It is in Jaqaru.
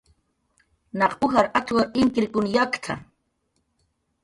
"Naq ujar at""w imkirkun yakt""a"